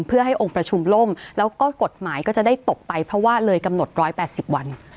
เพื่อให้องค์ประชุมล่มแล้วก็กฎหมายก็จะได้ตกไปเพราะว่าเลยกำหนด๑๘๐วัน